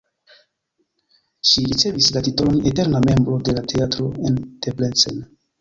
Ŝi ricevis la titolon eterna membro de la teatro en Debrecen.